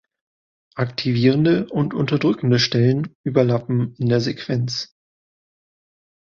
Aktivierende und unterdrückende Stellen überlappen in der Sequenz.